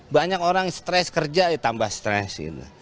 banyak orang stress kerja ya tambah stress gitu